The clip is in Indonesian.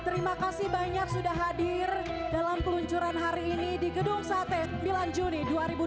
terima kasih banyak sudah hadir dalam peluncuran hari ini di gedung sate sembilan juni dua ribu dua puluh